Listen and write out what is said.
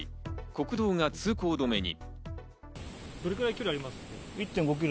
国道が通行止めに。